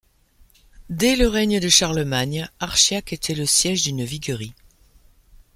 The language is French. Dès le règne de Charlemagne, Archiac était le siège d'une viguerie.